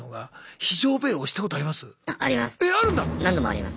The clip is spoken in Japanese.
何度もあります。